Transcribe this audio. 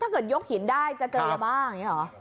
ยกหินได้จะเจอยาบ้าอย่างนี้หรอ